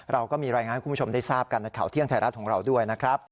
เราก็มีรายงานให้คุณผู้ชมได้ทราบกันในข่าวเที่ยงไทยรัฐของเราด้วยนะครับ